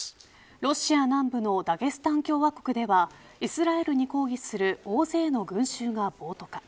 ロシア南部のダゲスタン共和国ではイスラエルに抗議する大勢の群衆が暴徒化。